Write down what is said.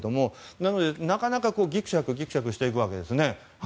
なので、なかなかぎくしゃくしていくわけですね。